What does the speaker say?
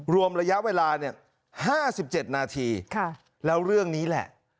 รวมระยะเวลา๕๗นาทีแล้วเรื่องนี้แหละ